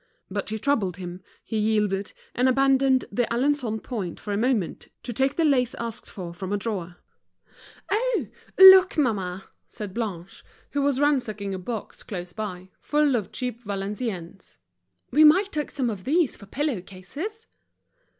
But she troubled him, he yielded, and abandoned the Alençon point for a moment to take the lace asked for from a drawer. "Oh! look, mamma," said Blanche, who was ransacking a box close by, full of cheap Valenciennes, "we might take some of this for pillow cases."